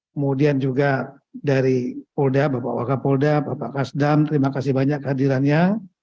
kemudian juga dari polda bapak wakab polda bapak kasdam terima kasih banyak hadirannya